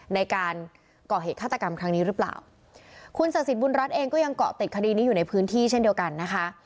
ในการก่อเหตุฆาตกรรมครั้งนี้หรือเปล่าคุณศักดิ์สิทธิบุญรัฐเองก็ยังเกาะติดคดีนี้อยู่ในพื้นที่เช่นเดียวกันนะคะ